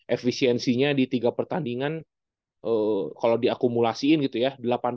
efisiensinya di tiga pertandingan kalau diakumulasiin gitu ya